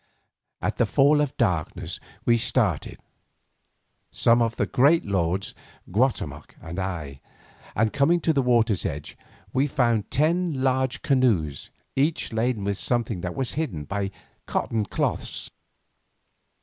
At the fall of darkness we started, some of the great lords, Guatemoc and I, and coming to the water's edge, we found ten large canoes, each laden with something that was hidden by cotton cloths.